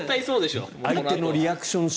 相手のリアクション集。